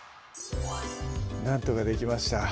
なんとかできました